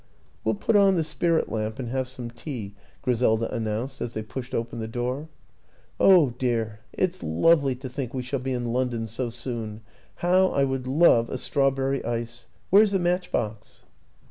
" We'll put on the spirit lamp and have some tea," Griselda announced as they pushed open the door. "Oh, dear! it's lovely to think we shall be in London so soon. How I would love a strawberry ice! Where's the match box?"